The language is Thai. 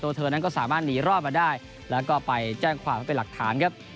เธอนั้นก็สามารถหนีรอดมาได้แล้วก็ไปแจ้งความไว้เป็นหลักฐานครับ